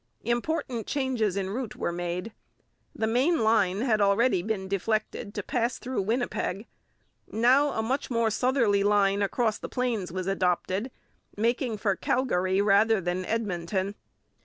Important changes in route were made. The main line had already been deflected to pass through Winnipeg. Now a much more southerly line across the plains was adopted, making for Calgary rather than Edmonton.